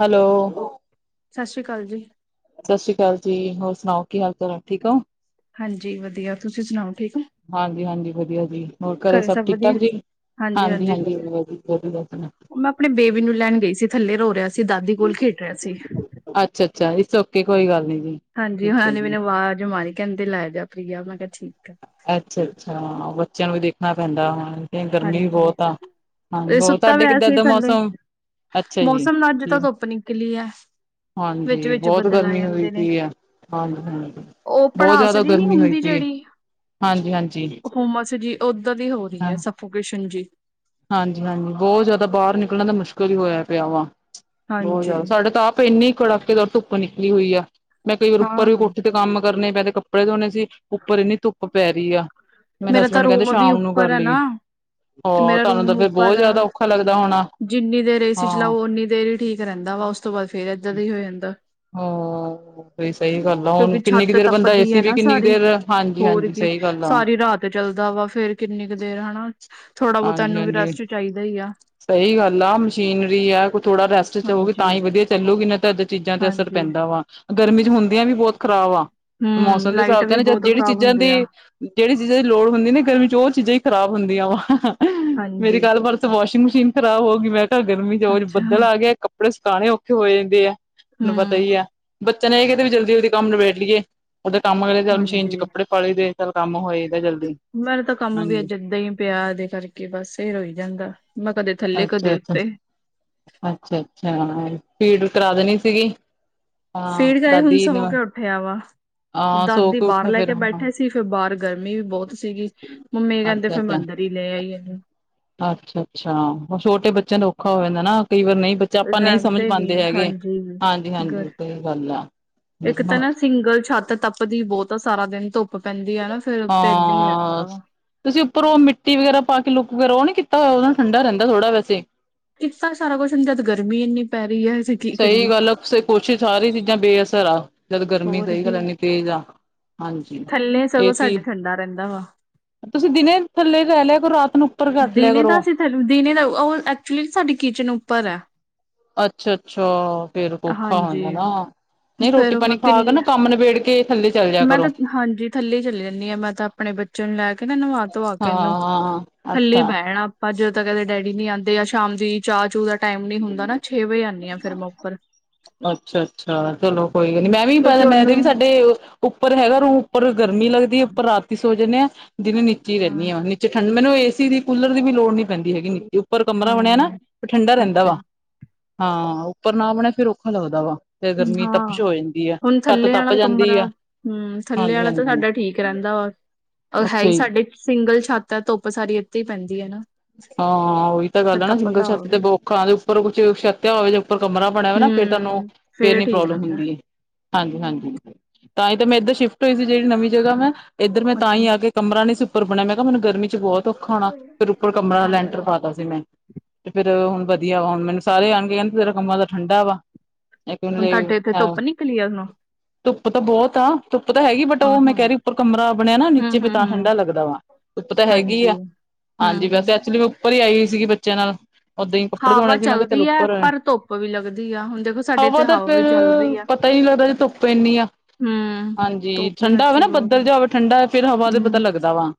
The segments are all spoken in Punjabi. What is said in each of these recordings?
ਹੈਲੋ! ਸ਼ਸੀਕਾਲ ਜੀ। ਸ਼ਸੀਕਾਲ ਜੀ, ਹੋਰ ਸੁਣਾਓ, ਕੀ ਹਾਲ ਚਾਲ ਆ, ਠੀਕ ਓ? ਹਾਂਜੀ ਵਧੀਆ, ਤੁਸੀਂ ਸੁਣਾਓ, ਠੀਕ ਓ? ਹਾਂਜੀ- ਹਾਂਜੀ ਵਧੀਆ ਜੀ, ਹੋਰ ਘਰੇ ਸਭ ਠੀਕ ਠਾਕ ਜੀ? ਹਾਂਜੀ -ਹਾਂਜੀ ਵਧੀਆ। ਮੈਂ ਆਪਣੀ ਬੇਬੀ ਨੂੰ ਲੈਣ ਗਈ ਸੀ ਥੱਲੇ ਰੋ ਰਿਹਾ ਸੀ ਦਾਦੀ ਕੋਲ ਖੇਡ ਰਿਆ ਸੀ। ਅੱਛਾ -ਅੱਛਾ ਇਟਸ ਓਕੇ, ਕੋਈ ਗੱਲ ਨੀ। ਹਾਂਜੀ, ਠੀਕ ਉਨਾ ਹੈ ਨੇ ਜੀ ਮੈਨੂੰ ਆਵਾਜ਼ ਮਾਰੀ ਕਹਿੰਦੇ ਤੇ ਲੈ ਜਾ ਪ੍ਰਿਆ, ਮੈਂ ਕਿ ਠੀਕ ਆ। ਅੱਛਾ- ਅੱਛਾ ਹਾਂ, ਬੱਚਿਆਂ ਨੂੰ ਵੀ ਦੇਖਣਾ ਪੈਂਦਾ ਹਾਂ। ਤੇ ਗਰਮੀ ਵੀ ਹਾਂਜੀ। ਬਹੁਤ ਆ, ਹਾਂਜੀ, ਇਹ ਹੋਰ ਸੁੱਤਾ ਤੁਹਾਡੇ ਪਿਆ ਕਿੱਦਾਂ ਏ ਸੀ ਦਾ ਥੱਲੇ ਮੌਸਮ? ਅੱਛਾ ਜੀ ਮੌਸਮ ਨਾ ਅੱਜ ਜੀ ਤਾਂ ਧੁੱਪ ਨਿਕਲੀ ਐ। ਵਿੱਚ ਹਾਂਜੀ -ਵਿਚ ਬਹੁਤ ਬਦਲ ਆ ਗਰਮੀ ਹੋਈ ਜਾਂਦੇ ਨੇ। ਪਈ ਆ ਹਾਂਜੀ ਹਾਂਜੀ ਉਹ ਬਹੁਤ ਭੜਾਸ ਜ਼ਿਆਦਾ ਜੀ ਨੀ ਗਰਮੀ ਹੋਈ ਹੁੰਦੀ ਪਈ ਜਿਹੜੀ ਹਾਂਜੀ ਹਾਂਜੀ ਹੁੰਮਸ ਜੀ, ਉਦਾ ਦੀ ਹੋ ਰਹੀ ਏ ਸਫੋਕੇਸ਼ਨ ਜੀ। ਹਾਂਜੀ- ਹਾਂਜੀ ਬਹੁਤ ਜ਼ਿਆਦਾ ਬਾਹਰ ਦਾ ਮੁਸ਼ਕਿਲ ਹੀ ਹੋਇਆ ਪਿਆ ਵਾ, ਬਹੁਤ ਹਾਂਜੀ। ਜ਼ਿਆਦਾ, ਸਾਡੇ ਤਾਂ ਆਪ ਇੰਨੀ ਕੜਾਕੇ ਦਾਰ ਧੁੱਪ ਨਿਕਲੀ ਹੋਈ ਆ। ਮੈਂ ਕਈ ਵਾਰ ਉੱਪਰ ਵੀ ਹਾਂ ਕੋਠੇ ਤੇ ਕੰਮ ਕਰਨੇ ਮੈਂ ਕੱਪੇ ਕੱਪੜੇ ਧੋਣੇ ਸੀ, ਉੱਪਰ ਇੰਨੀ ਧੁੱਪ ਪੈ ਰਹੀ ਆ, ਮੇਰੇ ਮੇਰਾ ਤਾਂ ਹਸਬੈਂਡ ਕਹਿੰਦੇ ਰੂਮ ਵੀ ਸ਼ਾਮ ਨੂੰ ਕਰ ਉੱਪਰ ਹੈ ਨਾ ਲੀ। ਤੇ ਹੋਰ? ਮੇਰਾ ਰੂਮ ਉੱਪਰ ਆ, ਜਿੰਨੀ ਦੇਰ ਏਸੀ ਹਾਂ। ਚਲਾਓ, ਉਨੀ ਦੇਰ ਹੀ ਠੀਕ ਰਹਿੰਦਾ ਵਾ। ਉਸ ਤੋਂ ਬਾਅਦ ਫੇਰ ਇੱਦਾਂ ਦਾ ਹੀ ਹੋ ਜਾਂਦਾ। ਹੂੰ ਭਈ ਸਹੀ ਗੱਲ ਆ, ਕਿਉਂਕਿ ਹੁਣ ਕਿੰਨੀ ਕੁ ਛੱਤ ਦੇਰ ਬੰ ਦਾ ਏ ਤਪਦੀ ਹੈ ਸੀ ਵੀ ਨਾ ਕਿੰਨੀ ਕੁ ਸਾਰੀ ਦੇਰ, ਹਾਂਜੀ- ਹਾਂਜੀ ਸਹੀ ਗੱਲ ਆ। ਤੇ ਚੱਲਦਾ ਵਾ, ਫੇਰ ਕਿੰਨੀ ਕੁ ਦੇਰ ਹੈਨਾ। ਭਾਊ ਤਾਨੂੰ ਵੀ ਹਾਂਜੀ-ਹਾਂਜੀ ਰੈਸਟ ਚ ਚਾਹੀਦਾ ਹੀ ਆ। ਸਹੀ ਗੱਲ ਆ, ਮਸ਼ੀਨਰੀ ਆ, ਕੋਈ ਥੋੜਾ ਰੈਸਟ ਚ ਹੋੋਉਗੀ ਹਾਂਜੀ ਤਾਂ ਹੀ ਵਧੀਆ ਚੱਲੂਗੀ, ਨਹੀਂ ਤਾਂ ਏਦਾਂ ਚੀਜ਼ਾਂ ਤੇ ਅਸਰ ਹਾਂਜੀ ਪੈਂਦਾ ਵਾ। ਗਰਮੀ ਚ ਹੁੰਦੀਆਂ ਵੀ ਬਹੁਤ ਖ਼ਰਾਬ ਆ। ਹਮ ਮੌਸਮ ਦੇ ਲਾਈਟ ਹਿਸਾਬ ਤੇ ਵੀ ਨਾ ਬਹੁਤ ਜਿਹੜੀ ਖ਼ਰਾਬ ਚੀਜ਼ਾਂ ਹੁੰਦੇ ਦੀ ਆ ਜਿਹੜੀ ਚੀਜ਼ਾਂ ਦੀ ਲੋੜ ਹੁੰਦੀ ਨਾ ਗਰਮੀ ਚ ਉਹ ਚੀਜ਼ਾਂ ਈ ਖਰਾਬ ਹੁੰਦੀਆਂ ਵਾ ਹਾਆਆ ਮੇਰੀ ਹਾਂਜੀ ਗੱਲ ਪਰ ਵਾਸ਼ਿੰਗ ਮਸ਼ੀਨ ਖਰਾਬ ਹੋ ਗਈ। ਮੈਂ ਕਿਹਾ ਗਰਮੀ ਚ ਅੱਛਾ ਬੱਦਲ ਆ ਗਿਆ ਕੱਪੜੇ ਸੁਕਾਣੇ ਔਖੇ ਹੋ ਜਾਂਦੇ ਆ। ਤੈਨੂੰ ਪਤਾ ਹਮ ਈ ਆ, ਬੱਚਿਆ ਨੇ ਇਹ ਕਿਹਤਾ ਵੀ ਜਲਦੀ- ਜਲਦੀ ਕੰਮ ਨਿਵੇੜ ਲਈਏ। ਉਹਦੇ ਕੰਮ ਕਰਲੇ ਮਸ਼ੀਨ ਚ ਹਾਂਜੀ ਕੱਪੜੇ ਪਾ ਲਈ ਦੇ ਚਲ ਕੰਮ ਹੋਏਦਾ ਜਲ ਮੇਰੇ ਤਾਂ ਕੰਮ ਵੀ ਅੱਜ ਏਦਾਂ ਈ ਪਿਆ ਇਹਦੇ ਕਰਕੇ ਬਸ ਇਹ ਰੋਈ ਜਾਂਦਾ। ਮੈਂ ਕਦੇ ਥੱਲੇ ਕਦੇ ਅੱਛਾ ਅੱਛਾ, ਉੱਤੇ ਅੱਛਾ ਅੱਛਾ, ਪੀੜ ਕਰਾ ਦੇਣੀ ਸੀਗੀ। ਹਾਂ ਫੇਰ ਗਏ ਹੁਣ ਦਾਦੀ ਨੇ ਸੌ ਕੇ ਉੱਠਿਆ ਵਾ, ਹਾਂ ਸੋ ਦਾਦੀ ਬਾਹਰ ਉੱਠੇ ਲੈ ਫਿਰ ਕੇ ਬੈਠੇ ਸੀ, ਫਿਰ ਬਾਹਰ ਗਰਮੀ ਵੀ ਬਹੁਤ ਸੀਗੀ, ਮੰਮੀ ਕਹਿੰਦੇ ਫਿਰ ਮੈਂ ਅੰਦਰ। ਫਿਰ ਲੈ ਆਈ ਇਹਨੂੰ। ਅੱਛਾ- ਅੱਛਾ, ਹੁਣ ਛੋਟੇ ਬੱਚਿਆਂ ਦਾ ਔਖਾ ਹੋ ਜਾਂਦਾ ਨਾ। ਕਈ ਵਾਰ ਨਹੀ ਬੱਚਾ ਆਪਾਂ ਨਹੀ ਸਮਝ ਰਹਿੰਦੇ ਪਾਂਦੇ ਨੀ ਹੈਗੇ, ਹਾਂਜੀ ਹਾਂਜੀ ਗਰ -ਹਾਂਜੀ ਸਹੀ ਗੱਲ ਆ। ਇੱਕ ਤਾਂ ਨਾ [unintelligible] ਸਿੰਗਲ ਛੱਤ ਤੱਪਦੀ ਬਹੁਤ ਆ ਸਾਰਾ ਦਿਨ ਧੁੱਪ ਪੈਂਦੀ ਆ ਨਾ, ਫਿਰ ਉੱਤੇ ਏਦਾਂ ਈ ਰਹਿੰਦਾ ਆ। ਤੁਸੀ ਉੱਪਰ ਉਹ ਮਿੱਟੀ ਵਗੈਰਾ ਪਾ ਕੇ, ਲੁੱਕ ਵੈਗਰਾ ਉਹ ਨੀ ਕੀਤਾ ਹੋਇਆ ਉਦੇਂ ਨਾ ਠੰਡਾ ਰਹਿੰਦਾ ਥੋੜਾ ਵੈਸੇ। ਕੀਤਾ ਤਾਂ ਸਾਰਾ ਕੁੱਛ ਹੁੰਦਾ ਜਦ ਗਰਮੀ ਇੰਨੀ। ਪੈ ਰਹੀ ਹੈ ਅਸੀਂ ਕੀ ਸਹੀ ਕਰੀਏ ਗੱਲ ਆ, ਸਹੀ ਕੋਸ਼ਿਸ਼ ਸਾਰੀ ਚੀਜ਼ਾਂ ਬੇਅਸਰ ਆ। ਜਦੋ ਗਰਮੀ ਹੋਰ ਸਹੀ ਕੀ ਗੱਲ ਇੰਨੀ ਤੇਜ਼ ਆ, ਹਾਂਜੀ ਥੱਲੇ ਏ ਸਗੋਂ ਸੀ। ਸਾਡੇ ਠੰਡਾ ਰਹਿੰਦਾ ਵਾ ਤੁਸੀ ਦਿਨੇ ਥੱਲੇ ਰਹਿ ਲਿਆ ਕਰੋ ਰਾਤ ਨੂੰ। ਉੱਪਰ ਕੱਟ ਲਿਆ ਦਿਨੇ ਕਰੋ ਦਾ ਸੀ ਦਿਨੇ ਦਾ ਉਹ, ਉਹ ਐਕਚੁਲੀ ਸਾਡੀ ਕਿਚਨ ਉੱਪਰ ਐ। ਅੱਛਾ -ਅੱਛਾ, ਫੇਰ ਔਖਾ ਹੋ ਜਾਂਦਾ ਨਾ। ਨਹੀਂ ਰੋਟੀ ਫਿਰ ਮੈਂ ਪਾਣੀ ਖਾ ਕੇ ਕਿੰਨੇ, ਨਾ ਕੰਮ ਨਿਬੇੜ ਕੇ ਥੱਲੇ ਚੱਲ ਜਾ ਮੈਂ ਕਰੋ ਤਾਂ ਹਾਂਜੀ ਥੱਲੇ ਚਲੀ ਜਾਨੀ ਆ ਮੈਂ ਤਾਂ। ਆਪਣੇ ਬੱਚੇ ਨੂੰ ਲੈ ਕੇ ਨਾ ਨਵਾ-ਧਵਾ ਕੇ ਇਹਨੂੰ। ਹਾਂ ਥੱਲੀ ਈ ਅੱਛਾ ਬੈ ਜਾਣਾ ਆਪਾ, ਜਦੋਂ ਤੱਕ ਇਹਦੇ ਡੈਡੀ ਨੀ ਆਂਦੇ ਜਾ ਸ਼ਾਮ ਦੀ ਚਾਹ- ਚੂਹ ਦਾ। ਟਾਈਮ ਨੀ ਹੁੰਦਾ ਨਾ, ਛੇ ਵਜੇ ਆਨੀ ਆ ਫਿਰ ਮੈ ੳੱਪਰ। ਅੱਛਾ -ਅੱਛਾ, ਚਲੋ ਕੋਈ ਗੱਲ ਨੀ ਮੈਂ ਵੀ ਪਤਾ ਕਿਉਂਕਿ ਮੈਂ ਤੇ ਉਹਨੂੰ ਵੀ ਸਾਡੇ। ਉੱਪਰ ਹੈਗਾ ਰੂਮ ਉੱਪਰ ਗਰਮੀ ਲੱਗਦੀ ਆ, ਉੱਪਰ ਰਾਤੀ ਸੌ ਜਾਣੇ ਆ, ਦਿਨੇ ਨੀਚੇ ਈ ਹਾਂ ਰਹਿਨੀ ਆ, ਮੈਂ ਨੀਚੇ ਠੰਡ। ਮੈਨੂੰ ਏ ਸੀ ਦੀ, ਕੂਲਰ ਦੀ ਵੀ ਲੋੜ ਨੀ ਪੈਂਦੀ ਹੈਗੀ, ਇੰਨੀ ਉੱਪਰ ਕਮਰਾ ਬਣਿਆ ਨਾ ਹਾਂ ਠੰਡਾ ਰਹਿੰਦਾ ਅੱਛਾ ਵਾ ਜੀ ਹਾਂ, ਉੱਪਰ ਨਾ ਬਣਿਆ ਫੇਰ ਔਖਾ ਲੱਗਦਾ ਵਾ। ਤੇ ਗਰਮੀ ਹਾਂ ਤਪਸ਼ ਹੋ ਜਾਂਦੀ ਆ, ਹੁਣ ਛੱਤ ਥੱਲੇ ਤਪ ਵਾਲਾ ਜਾਂਦੀ ਕਮਰਾ ਆ, ਹਾਂਜੀ- ਹਾਂਜੀ। ਕਹਿੰਦਾ ਵਾ, ਉਹ ਹੈ ਹੀ ਸਾਡੇ ਸਿੰਗਲ ਛੱਤ ਐ ਧੁੱਪ ਸਾਰੀ ਇੱਥੇ ਈ ਪੈਦੀ ਐ। ਹਾਂ, ਉਹੀ ਤਾਂ ਗੱਲ ਆ ਨਾ ਸਿੰਗਲ ਛੱਤੇ ਤੇ ਹੋਵੇ ਬਹੁਤ ਔਖਾ ਦੇ ਉੱਪਰ ਕੁਛ ਛੱਤਿਆ ਹੋਵੇ ਜਾ ਉੱਪਰ ਕਮਰਾ ਬਣਿਆ ਵਾ, ਨਾ ਖੇਡਣ ਨੂੰ। ਹਮ ਫੇਰ ਨੀ ਠੀਕ ਪ੍ਰੋਬਲਮ ਰਹਿੰਦਾ ਹੁੰਦੀ। ਹਾਂਜੀ- ਹਾਂਜੀ ਤਾਂ ਈ ਤੇ ਮੈਂ ਇੱਧਰ ਸ਼ਿਫਟ ਹੋਈ ਸੀ, ਜਿਹੜੀ ਨਵੀਂ ਜਗ੍ਹਾ ਮੈ ਇੱਧਰ ਮੈਂ ਤਾਂ ਅੱਛਾ ਈ ਆ ਗੇ ਕਮਰਾ ਨੀ ਸੀ ਉੱਪਰ ਬਣਿਆ ਮੈਂ ਕਿਹਾ ਹੁਣ ਗਰਮੀ ਚ' ਬਹੁਤ ਔਖਾ ਹੋਣਾ। ਉਪਰ ਕਮਰਾ ਹਾਂਜੀ ਲੈਂਟਰ ਪਾਤਾ ਸੀ ਮੈਂ, ਤੇ ਫਿਰ ਹੁਣ ਵਧਿਆ ਵਾ, ਹੁਣ ਮੈਨੂੰ ਸਾਰੇ ਆਣ-ਗੇ ਕਹਿੰਦੇ ਤੇਰਾ ਕਮਰਾ ਤਾ ਠੰਡਾ ਵਾ। ਹੁਣ ਤੁਹਾਡੇ ਇੱਥੇ ਇੱਕ ਧੁੱਪ ਨਿਕਲੀ ਆ, ਹੁਣ ਨੂੰ। ਧੁੱਪ ਤਾਂ ਬਹੁਤ ਆ ਧੁੱਪ ਤਾਂ ਹੈਗੀ ਆ ਬੱਟ, ਉਹ ਮੈਂ ਕਹਿ ਰਹੀ ਉੱਪਰ ਕਮਰਾ ਬਣਿਆ ਨਾ, ਨੀਚੇ ਤਾਂ ਹੂੰ-ਹੂੰ-ਹੂੰ। ਠੰਡਾ ਲੱਗਦਾ ਵਾ। ਧੁੱਪ ਤਾਂ ਹੈਗੀ ਹਾਂਜੀ। ਆ, ਹਾਂਜੀ ਹੂੰ, ਵੈਸੇ ਐਕਚਲੀ ਮੈਂ ਉੱਪਰ ਈ ਆਈ ਹੋਈ ਸੀਗੀ ਬੱਚਿਆਂ ਨਾਲ, ਉਦਾਂ ਈ ਕੱਪੜੇ ਹਵਾ ਧੋਣੇ ਸੀ‌। ਮੈਂ ਕਿਹਾ ਚਲ ਫਿਰ ਚੱਲਦੀ ਐ ਉਪਰ, ਪਰ ਧੁੱਪ ਵੀ ਲੱਗਦੀ ਆ ਹੁਣ ਦੇਖੋ ਸਾਡੇ ਇੱਥੇ ਉਹ ਤੇ ਹਵਾ ਵੀ ਚੱਲ ਰਹੀ ਫਿਰਰ ਆ। ਪਤਾ ਈ ਨੀ ਲੱਗਦਾ ਜੇ ਧੁੱਪ ਇੰਨੀ ਆ, ਹੂੰ, ਹਾਂਜੀ, ਧੁੱਪ ਠੰਡਾ ਹੋਵੇ ਸੱਚੀ ਨਾ ਬਹੁਤ ਆ ਬੱਦਲ ਜਾ ਹੋਵੇ। ਠੰਡਾ ਆ ਫਿਰ ਹਵਾ ਦੇ ਪਤਾ ਹੂੰ। ਲੱਗਦਾ ਵਾ।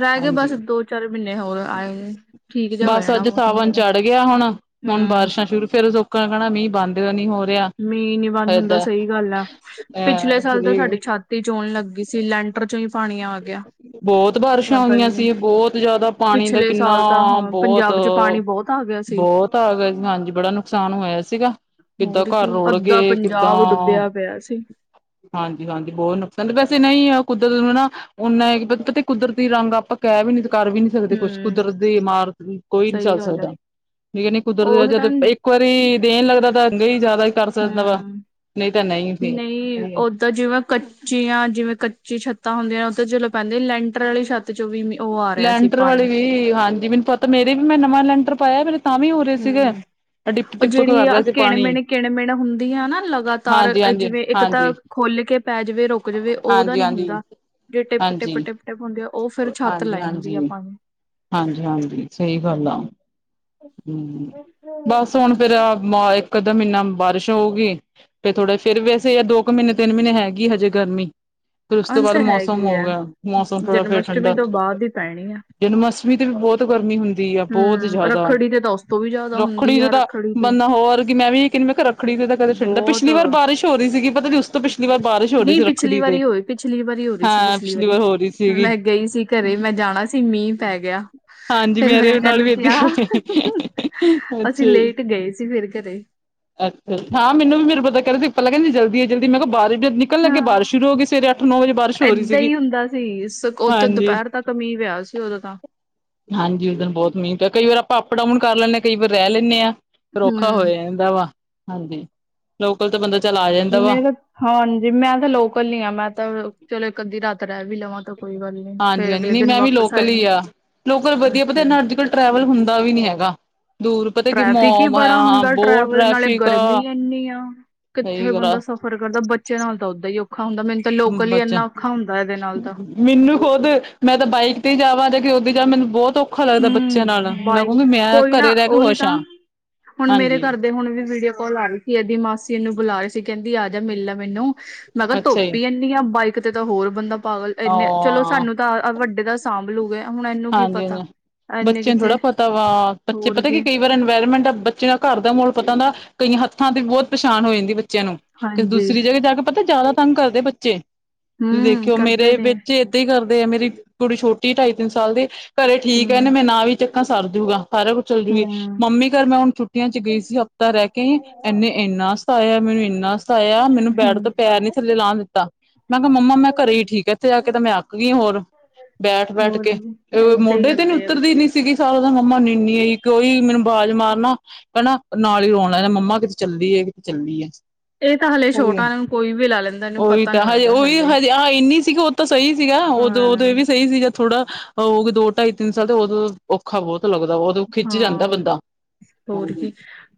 ਰਹਿ ਗਏ ਬਸ ਹਾਂਜੀ। ਦੋ-ਚਾਰ ਮਹੀਨੇ ਹੋਰ ਆਏ ਨੇ ਠੀਕ ਜਿਹਾ ਹੋ ਬਸ ਜਾਣਾ ਅੱਜ ਮੌਸਮ ਸਾਵਣ ਫੇਰ ਚੜ੍ਹ ਗਿਆ ਹੁਣ, ਹੁਣ ਹੂੰ, ਬਾਰਿਸ਼ਾ ਸੁਰੂ ਫਿਰ ਤੋ, ਣਾ ਮੀਂਹ ਬੰਦ। ਫਿਰ ਨੀ ਹੋ ਰਿਆ। ਮੀਂਹ ਨੀ ਬੰਦ ਹੁੰਦਾ ਸਈ ਗੱਲ ਆ, ਪਿਛਲੇ ਸਾਲ ਤਾਂ ਸਾਡੀ ਅਹ ਛਾਤ ਈ ਚੋਣ ਲੱਗੀ ਸੀ, ਲੈਂਟ ਵਿਚੋਂ ਵੀ ਪਾਣੀ ਆ ਗੇਆ। ਬਹੋਤ ਬਾਰਿਸ਼ਾ ਹੋਈਆਂ ਸੀ, ਬਹੋਤ ਜ਼ਿਆਦਾ ਪਾਣੀ ਦਾ ਪਿਛਲੇ ਕਿੰਨਾ ਸਾਲ ਤਾਂ ਆ ਹਾਂ ਬਹੋਤ ਪੰਜਾਬ ਚ ਪਾਣੀ ਬਹੁਤ ਆ ਗਿਆ ਸੀ। ਬਹੋਤ ਆ ਗੇਆ ਜੀ, ਹਾਂਜੀ ਬੜਾ ਨੁਕਸਾਨ ਹੋਏਆ ਸੀਗਾ। ਕਿੱਦਾਂ ਹੋਰ ਘਰ ਕੀ, ਰੋੜ ਅੱਦਾ ਗਏ ਪੰਜਾਬ ਡੁੱਬੇਆ ਪੇਆ ਸੀ। ਹਾਂਜੀ-ਹਾਂਜੀ ਬਹੋਤ ਨੁਕਸਾਨ, ਤੇ ਵੈਸੇ ਨਈ ਆ, ਕੁਦਰ ਵੀ ਨਾ ਉਨ੍ਹਾਂ ਕੀ ਪਤਾ ਕੁਦਰਤੀ ਰੰਗ ਆਪਾਂ, ਕੈਆ ਵੀ ਨੀ ਕਰ ਵੀ ਨੀ ਜਲਦੀ ਕੁਛ, ਹੂੰ, ਕੁਦਰਤ ਦੀ ਮਾਰ ਕੋਈ ਨੀ ਸਹੀ ਝਲ ਗੱਲ ਐ। ਸਕਦਾ। ਠੀਕ ਐਨੀ ਕੁਦਰਤ ਉਹੀ ਤਾਂ ਜਦ ਹੂੰ ਇੱਕ ਵਾਰੀ ਦੇਣ ਲੱਗਦਾ ਤਾਂ ਕਈ ਹੀ ਜ਼ਿਆਦਾ ਕਰ ਸਕਦਾ ਵਾ, ਨਂਈ ਤਾਂ ਨਂਈ ਤੇ ਤਾਂ ਜਿਵੇਂ ਕੱਚੀਆਂ ਜਿਵੇਂ ਕੱਚੀ ਛੱਤਾਂ ਹੁੰਦੀਆਂ ਨੇ ਉੱਥ ਚਲੋਂ ਪੈਂਦੀ ਲੈਂਟਰ ਆਲੀ ਛੱਤ ਚੋਂ ਵੀ ਮੀ- ਉਹ ਆ ਰਿਹਾ ਸੀ ਲੈਂਟਰ ਪਾਣੀ ਵਾਲੇ ਵੀ ਹਾਂਜੀ, ਮੈਨੂੰ ਪਤਾ ਮੇਰੇ ਵੀ ਮੈਂ ਨਵਾਂ ਲੈਂਟਰ ਪਾਏਆ ਮੇਰੇ ਤਾਂ ਵੀ ਹੋ ਰੇ ਸੀਗੇ। ਡਿਪ ਓਹ ਟਿਪ ਜੇਹੜੀ ਕਰ ਆ ਰਿਹਾ ਸੀ ਪਾਣੀ ਕਿਣ-ਮਿਣੇ ਕਿਣ-ਮਿਣ ਹੁੰਦੀ ਆ ਨਾ ਲਗਾਤਾਰ ਹਾਂਜੀ ਹਾਂਜੀ ਜਿਵੇਂ ਇੱਕ ਤਾਂ ਹਾਂਜੀ ਖੁੱਲ ਕੇ ਪੈ ਜਵੇ ਰੁਕ ਜਵੇ ਓਦਾ ਹਾਂਜੀ ਨੀ ਹਾਂਜੀ। ਹੁੰਦਾ, ਜੇ ਹਾਂਜੀ ਟਿੱਪ-ਟਿੱਪ-ਟਿਪ ਟਿੱਪ ਹੁੰਦੀ ਐ, ਔ ਫੇਰ ਛੱਤ ਲੈ ਜਾਂਦੀ ਐ ਪਾਣੀ ਹਾਂਜੀ-ਹਾਂਜੀ ਸਈ ਗੱਲ ਆ। ਹੂਂ ਬਸ ਹੁਣ ਫੇਰ ਮਾ ਇੱਕ ਅੱਧਾ ਮੀਹਨਾ ਬਾਰਿਸ਼ ਹੋਊਗੀ। ਫੇਰ ਥੋੜਾ, ਫੇਰ ਵੈਸੇ ਯਾ ਦੋ ਕੁ ਮੀਹਨੇ ਤੇੱਨ ਮੀਹਨੇ ਹੈਗੀ ਹਜੇ ਗਰਮੀ ਫਿਰ ਉਸ ਤੋਂ ਹਲ ਬਾਦ ਤਾਂ ਮੌਸਮ ਹੈਗੀ ਹੋ ਆ ਗਿਆ, ਮੌਸਮ ਥੋੜਾ ਜਨਮ ਫੇਰ ਅਸ਼ਟਮੀ ਠੰਡਾ ਤੋਂ ਬਾਅਦ ਹੀ ਪੈਣੀ ਆ ਜਨਮ ਅਸ਼ਟਮੀ ਤੇ ਵੀ ਬਹੋਤ ਗਰਮੀ ਹੁੰਦੀ ਆ ਬਹੋਤ ਜ਼ਿਆਦਾ ਕਿਤੇ ਤਾਂ ਉਸ ਤੋਂ ਵੀ ਜ਼ਿਆਦਾ ਹੁੰਦੀ ਰੱਖੜੀ ਜੇ ਆ ਤਾਂ ਰੱਖੜੀ ਤੇ ਬੰਦਾ ਹੋਰ ਕੀ ਮੈਂ ਵੀ ਕੈਹੰਦੀ ਮੈਂ ਕੇਆ ਰੱਖੜੀ ਜੇ ਤਾਂ ਕਦੇ ਠੰਡ ਐ, ਬਹੁਤ ਪਿਛਲੀ ਵਾਰ ਬਾਰਿਸ਼ ਹੋ ਰੀ ਸੀਗੀ ਪਤਾ ਨੀ ਉਸ ਤੋਂ ਪਿੱਸ਼ ਲੀ ਵਾਰ ਬਾਰਿਸ਼ ਹੋ ਰਹੀ ਨੀ ਸੀ ਪਿਛਲੀ ਰੱਖੜੀ ਤੇ ਵਾਰੀ ਹੋਈ, ਪਿਛਲੀ ਵਾਰੀ ਹੋ ਰੀ ਸੀ, ਹਾਂ ਪਿਛਲੀ ਵਾਰ ਵਾਰੀ ਹੋ ਰਹੀ ਸੀਗੀ ਮੈਂ ਗਈ ਸੀ ਘਰੇ ਮੈਂ ਜਾਣਾ ਸੀ, ਮੀਂਹ ਪੈ ਗੇਆ। ਹਾਂਜੀ ਮੇਰੇ ਨਾਲ ਵੀ ਏਧੇ ਹੋ, ਅੱਛਾ ਅਸੀਂ ਜੀ। ਲੇਟ ਗਏ ਸੀ ਫਿਰ ਘਰੇ ਅੱਛਾ ਹਾਂ, ਮੈਨੂੰ ਵੀੇ ਫੇਰ ਪਤਾ ਕਰ ਪਤਾ ਭਲਾ ਕੈਹੰਦੀ ਜਲਦੀ ਏ ਜਲਦੀ ਮੈਂ ਕੇਆ ਬਾਰੀਸ਼ ਵੀਨੀ ਨਿਕੱਲ ਲੱਗੇ ਹਾਂ ਬਾਰਿਸ਼ ਸ਼ੁਰੂ ਹੋ ਗਈ ਸਵੇਰੇ ਅੱਠ-ਨੌ ਵਜੇ, ਬਾਰਿਸ਼ ਹੋ ਰੀ ਏਦਾਂ ਸੀਗੀ, ਹਾਂਜੀ। ਕਮੀ ਵਿਆ ਸੀ ਓਦੋਂ ਤਾਂ ਹਾਂਜੀ, ਉਸ ਦਿਨ ਬਹੋਤ ਮੀਂਹ ਪਇਆ। ਕਈ ਵਾਰ ਆਪਾਂ ਅਪ-ਡਾਊਨ ਕਰ ਲੈਂਣੇ ਆਂ ਕਈ ਵਾਰ ਰੈ ਲੈਣੇ ਆ ਫੇਰ ਔਖਾ ਹਮ ਹੋਇਐ। ਵਾ ਹਾਂਜੀ ਲੋਕਲ ਤਾਂ ਬੰਦਾ ਚੱਲ ਆ ਜਾਂਦਾ ਵਾ। ਮੈਂ ਤਾਂ ਹਾਂਜੀ ਮੈਂ ਤਾਂ ਲੋਕਲ ਈ ਆਂ, ਮੈਂ ਤਾਂ ਚਲੋ ਇੱਕ ਅੱਧੀ ਰਾਤ ਰੈ ਵੀ ਲਵਾਂ। ਤਾਂ ਕੋਈ ਗੱਲ ਨੀ ਫੇਰ ਹਾਂਜੀ-ਹਾਂਜੀ, ਅਗਲੇ ਨਈ ਦਿਨ ਮੈਂ ਵੀ ਵਾਪਸ ਲੋਕਲ ਈ ਆ, ਜਾਣਾ ਲੋਕਲ ਵਦੀਆ ਪਤਾ ਅੱਛਾ ਜੀ। ਏਨਾ ਅੱਜ-ਕੱਲ ਟਰੈਵਲ ਹੁੰਦਾ ਵੀ ਨੀ ਹੈਗਾ, ਦੂਰ ਪਤਾ ਕਿ ਟ੍ਰੈਫਿਕ ਈ ਮੋਮ ਬੜਾ ਹਾਂ ਹੁੰਦਾ, ਬਹੁਤ ਟਰੈਵਲ ਨਾਲੇ ਟ੍ਰੈਫਿਕ ਗਰਮੀ ਆ ਇੱਨੀ ਆ ਕਿੱਥੇ ਸਹੀ ਗੱਲ ਆ ਬੰਦਾ ਸਫ਼ ਫੇਰ ਕਰਦਾ, ਬੱਚੇ ਨਾਲ ਤਾਂ ਓਦਾਂ ਹੀ ਔਖਾ ਹੁੰਦਾ। ਮੈਨੰ ਤਾਂ ਲੋਕਲ ਈ ਬੱਚਾ ਇੰਨਾ ਔਖਾ ਹੁੰਦਾ, ਏਹਦੇ ਨਾਲ ਤਾਂ। ਮੈਨੂੰ ਖੁਦ, ਮੈਂ ਤਾਂ ਬਾਈਕ ਤੇ ਜਾਵਾਂ ਜਾਂ ਕੇ ਉਦਾ ਜਾਵ ਮੈਨੂੰ ਬਹੋਤ ਔਖ ਔਖਾ ਲੱਗਦਾ ਬੱਚੇਆਂ ਨਾਲ ਹੂੰ ਮੈਂ ਬਾਈਕ ਕਹੂੰਗੀ ਮੈਂ ਕੋਈ ਨਾ ਘਰੇ ਰੈ ਕੇ ਖੁਸ਼ ਆ, ਹਾਂਜੀ। ਤੇ ਹੁਣ ਉਦੀ ਵੀਡੀਓ ਕਾਲ ਆ ਰਹੀ ਸੀ, ਏਦੀ ਮਾਸੀ ਇਹਨੂੰ ਬੁਲਾ ਰੇ ਸੀ ਕੈਹੰਦੀ ਆ ਜਾ ਮਿਲ ਲੈ ਮੈਨੂੰ। ਮੈਂ ਕੇਆ ਅੱਛਾ ਧੁੱਪ ਜੀ ਈ ਐਨੀ ਆ। ਬਾਈਕ ਤੇ ਤਾਂ ਹੋਰ ਬੰਦਾ ਪਾਗਲ ਇਨੇ ਚਲੋ ਹਾਂ ਸਾਨੂੰ ਤਾਂ ਵੱਡੇ ਦਾ ਸਾਂਭਲੂਗੇ ਹੁਣ ਐਹਨੂੰ ਕੀ ਪਤਾ। ਇੰਨੇ ਬੱਚੇਆਂ ਨੂੰ ਕਿੱਥੇ ਥੋੜ੍ਹਾ ਪਤਾ ਵਾ ਬੱਚੇ ਪਤਾ ਕੀ ਕਈ ਵੇਰਣ ਏਨਵਾਇਰਮੈਂਟ ਆ ਬੱਚੇ ਦਾ ਘਰ ਦਾ ਮਾਹੌਲ ਪਤਾ ਹੁੰਦਾਵਾ। ਕਈਆਂ ਹੱਥਾਂ ਤੇ ਬਹੋਤ ਪੇਛਾਨ ਹੋ ਜਾਂਦੀ ਬੱਚੇਆਂ ਨੂੰ। ਕਿਸੇ ਹਾਂਜੀ ਦੂਸਰੀ ਜਗ੍ਹਾਹ ਜਾ ਕੇ ਪਤਾ ਜ਼ਿਆਦਾ ਤੰਗ ਕਰਦੇ ਬੱਚੇ, ਤੁਸੀਂ ਹੂੰ ਦੇਖਿਓ ਕਰਦੇ ਮੇਰੇ ਨੇ ਵਿੱਚ ਕਰਦੇ ਆ, ਮੇਰੀ ਕੁੜੀ ਛੋਟੀ ਢਾਈ ਤਿੰਨ ਸਾਲ ਦੇ ਘਰੇ ਠੀਕ ਹੂੰ ਏ। ਇਹਨੇ ਮੈਂ ਨਾ ਵੀ ਚੱਕਾਂ ਸਰਜੂਗਾ। ਸਾਰਾ ਕੁੱਝ ਚੱਲਦੀ ਏ ਹੂੰ ਮੰਮੀ ਘਰ ਮੈਂ ਹੁਣ ਛੁੱਟੀ ਛੁੱਟੀਆਂ ਚ ਗਈ ਸੀ। ਹਫ਼ਤਾ ਰਹਿ ਕੇ ਆਈ ਆਂ ਇਹਨੇ ਇੰਨਾ ਸਤਾਇਆ ਮੈਨੂੰ ਇੰਨਾ ਸਤਾਇਆ ਮੈਨੂੰ ਬੈਡ ਹੂੰ। ਤੋਂ ਪੈਰ ਨੀ ਥੱਲੇ ਲਾਣ ਦਿੱਤਾ। ਮੈਂ ਕਿਹਾ ਮੰਮਾ ਮੈਂ ਘਰੇ ਹੀ ਠੀਕ ਆ ਇੱਥੇ ਆ ਕੇ ਤੇ ਮੈਂ ਆਖ ਗਈ ਹੋਰ। ਬੈਠ ਬੈਠ ਹੋਰ ਕੇ ਏਦਾਂ ਹੀ ਮੋਢੇ ਤੇ ਨੀ ਕਰਦੇ ਆ ਉੱਤਰਦੀ ਬੱਚੇ ਨੀ ਸੀ। ਕਿਉਂ ਕੀ ਸਾਰਾ ਮੰਮਾ ਨੀਨੀ ਆਈ। ਕਿਈ ਮੈਨੂੰ ਆਵਾਜ਼ ਮਾਰਨਾ। ਹਨਾ ਨਾਲ ਹੀ ਰੋਣ ਲੈਂਦਾ ਮੰਮਾ ਕਿਤੇ ਚੱਲੀਏ-ਕਿਤੇ ਚੱਲੀਏ ਇਹ ਤਾਂ ਹਲੇ ਛੋਟਾ ਇਹਨੂੰ ਕੋਈ ਵੀ ਲਾ ਲੈਂਦਾ ਇਹਨੂੰ ਉਹੀ ਪਤਾ ਨੀ ਤਾਂ ਹਜੇ ਲੱਗਦਾ ਉਹੀ ਹਲੇ ਹਜੇ ਆਹ ਇੰਨੀ ਸੀਗੀ- ਤਾਂ ਸਹੀ ਸੀਗਾ ਉਦੋਂ-ਉਦੋਂ ਹਾਂ ਇਹ ਵੀ ਸਹੀ ਸੀਗਾ- ਥੋੜਾ ਹੋਈਗੀ ਦੋ ਢਾਈ ਤਿੰਨ ਸਾਲ ਤੇ ਉਦੋਂ ਔਖਾ ਬਹੁਤ ਲੱਗਦਾ ਬਹੁ- ਹਾਂ ਹੋਰ ਕਿ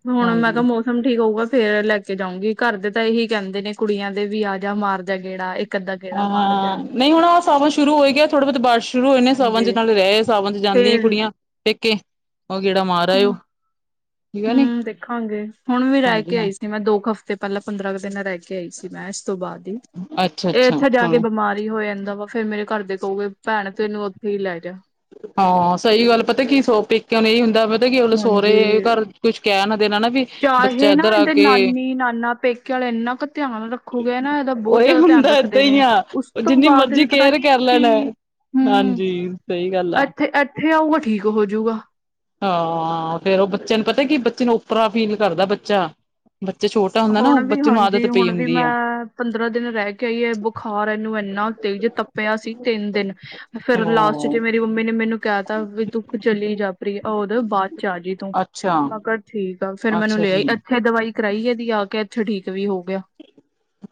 ਹੁਣ ਮੈਂ ਕਿਹਾ ਹਾਂਜੀ ਮ- ਹੁਣ ਠੀਕ ਹੋਊਗਾ ਫੇਰ ਲੈ ਕੇ ਜਾਊਂਗੀ, ਘਰ ਦੇ ਤਾਂ ਇਹੀ ਕਹਿੰਦੇ ਨੇ ਕੁੜੀਆਂ ਦੇ ਵੀ ਆ ਜਾ ਮਾਰ ਜਾ ਗੇੜਾ ਇਕ ਹਾਂ ਨਹੀਂ ਹੁਣ ਆ ਸਾਵਨ ਸ਼ੁਰੂ ਹੋ ਈ ਗਿਆ ਥੋੜਾ ਬਹੁਤ ਬਾਰਿਸ਼ ਸ਼ੁਰੂ ਹੋਏ ਨੇ ਸਾਵਣ ਚ ਹਾਂਜੀ ਨਾਲ ਰਹੇ ਆਉ, ਸਾਵਨ 'ਚ ਜਾਂਦੀਆਂ ਨੇ ਕੁੜੀਆਂ ਪੇਕੇ। ਉਹ ਗੇੜਾ ਮਾਰ ਹੂ ਆਇਓ ਠੀਕ ਆ ਨੀ ਹੂ ਦੇਖਾਂਗੇ ਹੁਣ ਵੀ ਰਹਿ ਹਾਂਜੀ ਕੇ ਹਾਂ ਆਈ ਸੀ। ਤੇ ਮੈਂ ਦੋ ਕੁ ਹਫ਼ਤੇ ਪਹਿਲਾਂ ਪੰਦਰਾਂ ਕੁ ਦਿਨ ਰਹਿ ਕੇ ਆਈ ਸੀ, ਮੈਂ ਇਸ ਤੋਂ ਬਾਅਦ ਹੀ ਅੱਛਾ ਇਹ ਅੱਛਾ ਇੱਥੇ ਜਾ ਕੇ ਚਲੋ ਬਿਮਾਰ ਹੀ ਹੋ ਜਾਂਦਾ ਵਾ, ਫੇਰ ਮੇਰੇ ਘਰ ਦੇ ਕਹੁ ਗੇ ਭੈਣ ਤੇ ਇਹਨੂੰ ਉੱਥੇ ਹੀ ਲੈ ਜਾ। ਹਾਂ ਸਹੀ ਗੱਲ ਪਤਾ ਕੀ ਸੁੱਖ ਪੇਕਿਆਂ ਦੇ ਹੀ ਹੁੰਦਾ, ਪਤਾ ਕੀ ਗੱਲ ਸਹੁਰੇ ਹਾਂਜੀ ਘਰ ਕੁੱਛ ਕਹਿ ਨਾ ਦੇਣਾ ਨਾ ਵੀ। ਬੱਚਾ ਚਾਹੇ ਨਾ ਇੱਧਰ ਆ ਇਹਦੇ ਕੇ ਨਾਨੀ - ਨਾਨਾ ਪੇਕੇ ਵਾਲੇ ਇੰਨਾ ਕੁ ਧਿਆਨ ਰੱਖੋਗੇ ਨਾ ਇਹਦਾ ਬਹੁਤ ਜ਼ਿਆਦਾ ਧਿਆਨ ਰੱਖ ਅਈਂ ਆ ਜਿੰਨੀ ਮਰਜ਼ੀ ਕੇਅਰ ਕਰ ਇਹਨੂੰ ਕੀ ਲੈਣ ਹੂੰ ਹਾਂਜੀ ਸਹੀ ਗੱਲ ਆ ਇੱਥੇ ਇੱਥੇ ਆਊਗਾ ਠੀਕ ਹੋਜੂਗਾ। ਹਾਂ ਫੇਰ ਉਹ ਬੱਚੇ ਨੂੰ ਪਤਾ ਕੀ ਬੱਚੇ ਨੂੰ ਔਪਰਾ ਫੀਲ ਕਰਦਾ ਬੱਚਾ। ਬੱਚਾ ਛੋਟਾ ਹੁੰਦਾ ਨਾ ਉਹ ਹੁਣ ਵੀ ਬੱਚੇ ਨੂੰ ਆਦਤ ਹਾਂਜੀ ਪਈ ਹੁਣ ਵੀ ਹੁੰਦੀ ਹੈ ਮੈਂ ਪੰਦਰਾਂ ਦਿਨ ਰਹਿ ਕੇ ਆਈ ਹੈ ਬੁਖਾਰ ਇਹਨੂੰ ਇੰਨਾ ਤੇਜ਼ ਤਪ ਪੇਆ ਸੀ ਤਿੰਨ ਦਿਨ ਫੇਰ ਲਾਸਟ ਉਹ ਜਿਵੇਂ ਮੇਰੀ ਮੰਮੀ ਨੇ ਮੈਨੂੰ ਕਿਹਾ ਤਾ ਵੀ ਤੂੰ ਚਲੀ ਜਾ ਪ੍ਰਰੀ ਉਦੋਂ ਬਾਅਦ ਚ ਆ ਜਈ ਤੂੰ ਅੱਛਾ ਮਗਰ ਠੀਕ ਆ ਫੇਰ ਮੈ ਇਹਨੂੰ ਅੱਛਾ ਲੇ ਆਈ, ਜੀ ਅੱਥੇ ਦਵਾਈ ਕਰਾਈ ਹੈਦੀ ਆ ਕੇ ਅੱਥੇ ਠੀਕ ਵੀ ਹੋ ਗਿਆ।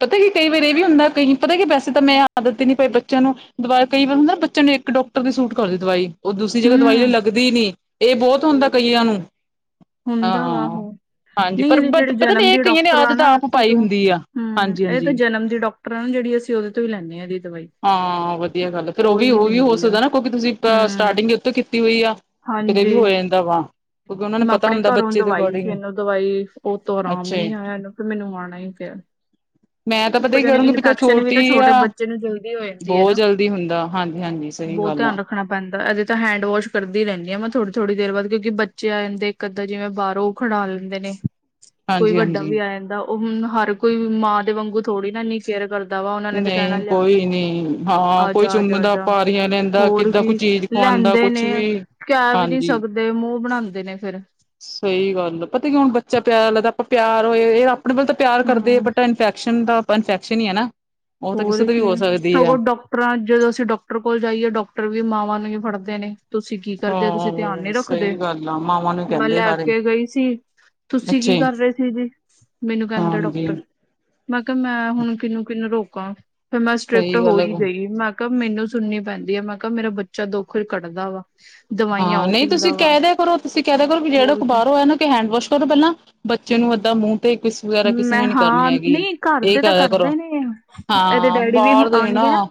ਪਤਾ ਕੀ ਕਈ ਵਾਰ ਇਹ ਵੀ ਹੁੰਦਾ ਕਈ ਪਤਾ ਕਿ ਵੈਸੇ ਤਾਂ ਮੈਂ ਆਦਤ ਨਹੀਂ ਪਾਈ ਬੱਚਿਆਂ ਨੂੰ, ਦੁਬਾਰਾ ਕਈ ਵਾਰ ਹੁੰਦਾ ਬੱਚਿਆਂ ਨੂੰ ਇੱਕ ਡਾਕ ਇੱਕੋ ਥਾਂ ਦੀ ਸੂਟ ਕਰਦੀ ਦਵਾਈ, ਉਹ ਦੂਸਰੀ ਜਗ੍ਹਾ ਦਵਾਈ ਹੂੰ ਲੱਗਦੀ ਨੀ ਇਹ ਬਹੁਤ ਹੁੰਦਾ ਕਈਆਂ ਨੂੰ ਹਾਂ ਹੁੰਦਾ ਵਾ ਹਾਂ ਉਹ ਹਾਂਜੀ ਨਹੀਂ ਪਰ ਇਹਦੀ ਜਿਹੜੀ ਪਤਾ ਨੀ ਜਨਮ ਇਹ ਕਈਆਂ ਨੇ ਆਦਤ ਆਪ ਪਾਈ ਹੁੰਦੀ ਆ। ਹੂ ਹਾਂਜੀ ਇਹ ਤਾਂ ਹਾਂਜੀ ਜਨਮ ਦੀ ਡਾਕਟਰ ਨਾ ਜਿਹੜੀ ਅਸੀਂ ਉਹਦੇ ਤੋਂ ਹੀ ਲੈਂਦੇਆ ਇਹਦੀ ਦਵਾਈ ਹਾਂ ਵਧੀਆ ਗੱਲ ਆ ਫਿਰ ਉਹ ਵੀ ਉਹੀ ਉਹ ਵੀ ਹੋ ਦਿੰਦੀ ਆ ਸਕਦਾ ਨਾ ਕਿਉਂਕਿ ਤੁਸੀਂ ਹੂੰ ਸਟਾਰਟਿੰਗ ਉੱਥੋਂ ਕੀਤੀ ਹੋਈ ਆ। ਫਿਰ ਇਹ ਵੀ ਹਾਂਜੀ ਹੋ ਜਾਂਦਾ ਵਾ ਉਹਨਾਂ ਨੂੰ ਮੈਂ ਪਤਾ ਆਪਣੇ ਹੁੰਦਾ ਘਰੋਂ ਬੱਚੇ ਦੇ ਦਵਾਈ ਸੀ ਅਕੋਰਡਿੰਗ ਇਹਨੂੰ ਦਵਾਈ ਉਹ ਤੋਂ ਆਰਾਮ ਅੱਛਾ ਹੀ ਨੀ ਜੀ ਆਇਆ ਇਹਨੂੰ ਫਿਰ ਮੈਨੂੰ ਆਣਾ ਹੀ ਪਿਆ। ਮੈਂ ਤਾਂ ਪਤਾ ਹੀ ਕੁਝ ਅਨੂ ਕਰੂੰਗੀ ਬੱਚਾ ਇਨਫੈਕਸ਼ਨ ਵੀ ਛੋਟੀ ਤਾਂ ਆ ਛੋਟੇ ਬੱਚੇ ਨੂੰ ਜਲਦੀ ਹੋ ਜਾਂਦੀ ਹੈ ਬਹੁਤ ਨਾ ਜਲਦੀ ਹੁੰਦਾ ਹਾਂਜੀ ਹਾਂਜੀ ਸਹੀ ਬਹੁਤ ਗੱਲ ਆ ਧਿਆਨ ਰੱਖ ਰੱਖਣਾ ਪੈਂਦਾ, ਏਦੇ ਤਾਂ ਹੈਂਡ ਵੌਸ਼ ਕਰਦੀ ਰਹਿੰਦੀ ਆ ਮੈਂ ਥੋੜ੍ਹੀ - ਥੋੜ੍ਹੀ ਦੇਰ ਬਾਅਦ ਕਿਉਂਕਿ ਬੱਚੇ ਆ ਜਾਂਦੇ ਇੱਕ ਅੱਧਾ, ਜਿਵੇਂ ਬਾਹਰੋਂ ਖਡਾ ਲੈਂਦੇ ਨੇ ਕੋਈ ਹਾਂਜੀ ਵੱਡਾ ਹਾਂਜੀ ਵੀ ਆ ਜਾਂਦਾ ਉਹ ਹੁਣ ਹਰ ਕੋਈ ਮਾਂ ਦੇ ਵਾਂਗੂ ਥੋੜੀ ਨਾ ਐਨੀ ਕੇਅਰ ਕਰਦਾ ਵਾ ਉਹਨਾਂ ਨੇ ਤੇ ਕਹਿਣਾ ਨਹੀਂ ਲਿਆ ਕੇ ਕੋਈ ਨੀ ਦੇਦੇ ਹਾਂ ਆ ਕੋਈ ਜਾ, ਆ ਚੁੰਮਦਾ ਜਾ ਪਾਰੀਆਂ ਲੈਂਦਾ ਹੋਰ ਕਿੱਦਾਂ ਕੋਈ ਕੀ ਚੀਜ਼ ਖਵਾਉਂਦਾ ਲੈਂਦੇ ਕੁਛ ਨੇ, ਵੀ ਕਹਿ ਵੀ ਨਹੀਂ ਹਾਂਜੀ ਸਕਦੇ ਮੂੰਹ ਬਣਾਉਂਦੇ ਨੇ ਫਿਰ ਸਹੀ ਗੱਲ ਆ, ਪਤਾ ਕੀ ਹੁਣ ਬੱਚਾ ਪਿਆਰ ਲੱਗਦਾ ਆਪਾਂ ਪਿਆਰ ਹੋਏ ਇਹ ਆਪਣੇ ਮਤਲਬ ਤਾਂ ਪਿਆਰ ਕਰਦੇ, ਹਮ ਬਟ ਇਨਫੈਕਸ਼ਨ ਦਾ ਆਪਾਂ ਇਨਫੈਕਸ਼ਨ ਹੀ ਹੈ ਨਾ ਉਹ ਤਾਂ ਕਿਸੇ ਹੋਰ ਤੋਂ ਵੀ ਕੀ ਹੋ ਸਕਦੀ ਸਗੋਂ ਹੈ। ਡਾਕਟਰਾਂ, ਜਦੋਂ ਅਸੀਂ ਡਾਕਟਰ ਕੋਲ ਜਾਈਏ ਡਾਕਟਰ ਵੀ ਮਾਵਾਂ ਨੂੰ ਹੀ ਫੜਦੇ ਨੇ। ਤੁਸੀਂ ਕੀ ਕਰਦੇ ਹੋ? ਤੁਸੀਂ ਧਿਆਨ ਹਾਂ ਨਹੀਂ ਸਹੀ ਰੱਖਦੇ ਗੱਲ ਆ ਮਾਵਾਂ ਨੂੰ ਮੈਂ ਕਹਿੰਦੇ ਲੈ ਸਾਰੇ ਕੇ ਗਈ ਸੀ। ਤੁਸੀਂ ਕੀ ਅੱਛੇ ਕਰ ਰਹੇ ਸੀ ਜੀ? ਮੈਨੂੰ ਕਹਿੰਦੇ ਹਾਂਜੀ ਡਾਕਟਰ। ਮੈਂ ਕਿਹਾ ਮੈਂ ਹੁਣ ਕਿਹਨੂੰ, ਕਿਹਨੂੰ ਰੋਕਾਂ ਫੈਰ ਮੈਂ ਸਟ੍ਰਿਕਟ ਸਹੀ ਹੋ ਗੱਲ ਹੈ ਹੀ ਗਈ, ਮੈਂ ਮੈਂ ਕਿਹਾ ਮੈਨੂੰ ਸੁਣਨੀ ਪੈਂਦੀ ਆ, ਮੈਂ ਕਿਹਾ ਮੇਰਾ ਬੱਚਾ ਦੁੱਖ ਕੱਢਦਾ ਵਾ। ਦਵਾਈਆਂ ਹਾਂ ਉਹ ਨਹੀਂ ਪੀਂਦਾ ਤੁਸੀਂ ਵਾ ਕਹਿ ਦਿਆ ਕਰੋ, ਤੁਸੀਂ ਕਹਿ ਦਿਆ ਕਰੋ ਵੀ ਜਿਹੜਾ ਹੋਰ ਕੋਈ ਬਾਹਰੋਂ ਕੀ ਆਏ ਉਹਨੂੰ ਕੇ ਹੈਂਡ ਵੋਸ਼ ਇਹ ਤੋਂ ਪਹਿਲਾਂ ਬੱਚੇ ਐਦਾਂ ਮੂੰਹ ਤੇ ਕਿਸ ਵਗੈਰਾ ਕਿਸੇ ਮੈਂ ਨੇ ਨੀ ਕਰਨੀ ਹਾਂ ਹੈਗੀ ਨਹੀਂ ਘਰ ਇਹ ਦੇ ਤਾਂ ਕਹਿ ਦਿਆ ਕਰਦੇ ਕਰੋ ਹੀ ਨੇ, ਇਹਦੇ ਹਾਂ ਡੈਡੀ ਵੀ ਬਾਹਰ ਦੇ ਨੇ ਆਉਣਗੇ ਨਾ।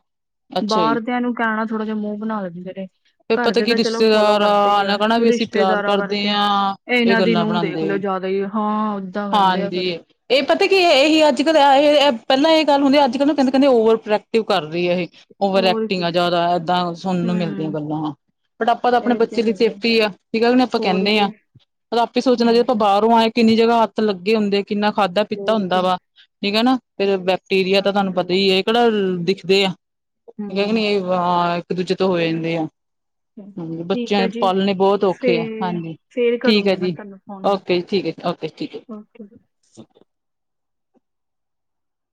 ਅੱਛਾ ਜੀ ਬਾਹਰਦਿਆਂ ਨੂੰ ਕਹਿਣਾ ਥੋੜ੍ਹਾ ਜਿਹਾ ਮੂੰਹ ਬਣਾ ਲੈਂਦੇ ਨੇ, ਫਿਰ ਘਰ ਪਤਾ ਦੇ ਕੀ ਤਾਂ ਚਲੋ ਫੋਲੋ ਰਿਸ਼ਤੇਦਾਰ ਕਰਦੇ ਹੀ ਆ, ਨੇ ਕਹਿਣਾ ਵੀ ਅਸੀਂ ਪਿਆਰ ਰਿਸ਼ਤੇਦਾਰਾਂ ਕਰਦੇ ਵਰਗੈ ਹਾਂ ਇਹ ਇਹਨਾਂ ਦੀ ਗੱਲਾਂ ਨੂੰਹ ਦੇਖ ਬਣਾਉਂਦੇ ਲਿਓ ਜ਼ਿਆਦਾ ਹੀ, ਹਾਂ ਤਾਂ ਖਾਂਦੇ ਆ ਹਾਂਜੀ ਫੇਰ ਇਹ ਪਤਾ ਕੀ ਇਹੀ ਅੱਜ -ਕੱਲ ਇਹ ਪਹਿਲਾਂ ਇਹ ਗੱਲ ਹੁੰਦੀ ਐ, ਅੱਜ -ਕੱਲ ਨੂੰ ਕਹਿੰਦੇ ਕਹਿੰਦੇ ਓਵਰ ਪ੍ਰੈਕਟਿਵ ਕਰ ਰਹੀ ਹੈ ਇਹੇ। ਓਵਰ ਹੋਰ ਕੀ ਐਕਟਿੰਗ ਆ ਜ਼ਿਆਦਾ, ਏਦਾਂ ਸੁਣਨ ਨੂੰ ਮਿਲਦੀਆਂ ਹੂੰ ਗੱਲਾਂ। ਬਟ ਆਪਾਂ ਤਾਂ ਆਪਣੇ ਇਹ ਤੇ ਬੱਚੇ ਲਈ ਹੈਗਾ ਸੇਫਟੀ ਆ, ਠੀਕ ਆ ਵੀ ਨੀ ਆਪਾਂ ਹੋਰ ਕਹਿੰਦੇ ਕੀ ਹਾਂ, ਪਰ ਆਪੇ ਸੋਚਣਾ ਚਾਹੀਦਾ ਹਾਂਜੀ ਆਪਾਂ ਬਾਹਰੋਂ ਆਏ ਕਿੰਨੀ ਜਗ੍ਹਾ ਹੱਥ ਲੱਗੇ ਹੁੰਦੇ ਕਿੰਨਾ ਖਾਧਾ ਪੀਤਾ ਹੋਰ ਹੁੰਦਾ ਕੀ ਵਾ, ਠੀਕ ਹੈ ਨਾ। ਫੇਰ ਬੈਕਟੀਰੀਆ ਤਾਂ ਹਾਂਜੀ ਤੁਹਾਨੂੰ ਪਤਾ ਏ ਕਿਹੜਾ ਦਿਖਦੇ ਆ। ਹੂੰ [unintelligible] ਇੱਕ ਦੂਜੇ ਤੋਂ ਹੋਏ ਜਾਂਦੇ ਆ। ਹਾਂ ਠੀਕ ਬੱਚਿਆਂ ਹੈ ਜੀ ਪਾਲਣੇ ਬਹੁਤ ਔਖੇ ਆ, ਫੇਰ ਹਾਂਜੀ ਫੇਰ ਠੀਕ ਏ ਕਰੂੰਗੀ ਮੈਂ ਜੀ ਤੁਹਾਨੂੰ ਫੋਨ ਓਕੇ ਜੀ ਠੀਕ ਏ ਜੀ। ਓਕੇ ਠੀਕ ਏ। [unintelligible]